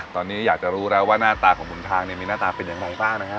ตอนนี้อยากจะรู้แล้วว่าหน้าตาของหนทางเนี่ยมีหน้าตาเป็นอย่างไรบ้างนะฮะ